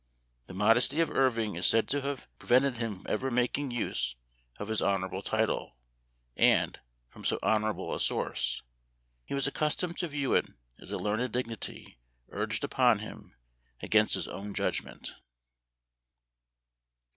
The modesty of Irving is said to have pre vented him from ever making use of his honor able title, and from so honorable a source. He was accustomed to view it as a learned dignity urged upon him against his own judgment.